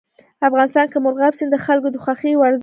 افغانستان کې مورغاب سیند د خلکو د خوښې وړ ځای دی.